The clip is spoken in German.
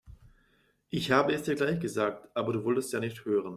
Ich habe es dir gleich gesagt, aber du wolltest ja nicht hören.